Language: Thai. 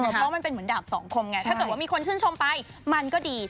เพราะมันเป็นเหมือนดาบสองคมไงถ้าเกิดว่ามีคนชื่นชมไปมันก็ดี